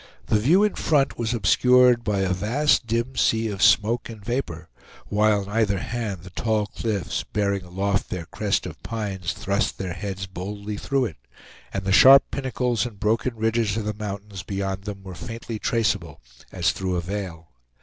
The view in front was obscured by a vast dim sea of smoke and vapor, while on either hand the tall cliffs, bearing aloft their crest of pines, thrust their heads boldly through it, and the sharp pinnacles and broken ridges of the mountains beyond them were faintly traceable as through a veil.